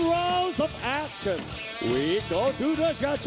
เราจะไปรุ้นรางวัลของชัมเปียร์ชาเลนจ์